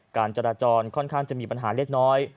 การจราจรค่อนข้างจะมีปัญหาเล็กน้อย